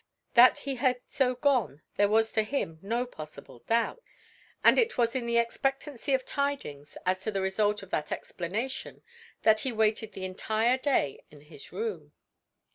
That he had so gone there was to him no possible doubt. And it was in the expectancy of tidings as to the result of that explanation that he waited the entire day in his room.